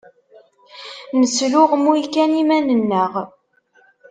Nesluɣmuy kan iman-nneɣ.